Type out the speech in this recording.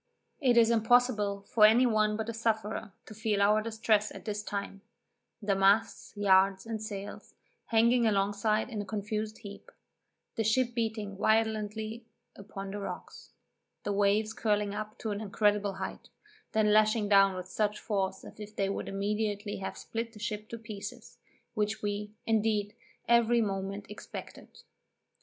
It is impossible for any one but a sufferer to feel our distress at this time; the masts, yards, and sails hanging alongside in a confused heap; the ship beating violently upon the rocks; the waves curling up to an incredible height, then dashing down with such force as if they would immediately have split the ship to pieces, which we, indeed, every moment expected.